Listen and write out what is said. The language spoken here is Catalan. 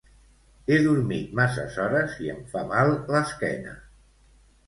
He dormit masses hores i em fa mal l'esquena